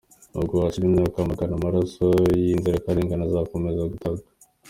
N’ubwo hashira imyaka magana, amaraso y’inzirakarengane azakomeza gutaka.